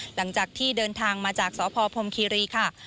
หลังจากที่เดินทางมาจากสพพรมคีรีค่ะ